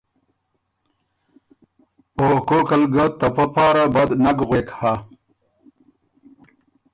او کوکل ګه ته پۀ پاره بد نک غوېک هۀ۔